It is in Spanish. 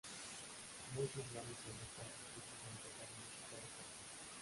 Muchos grandes solistas disfrutan al tocar música de cámara.